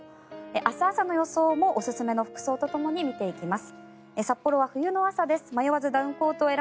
明日朝の予想もおすすめの服装とともに見ていきます。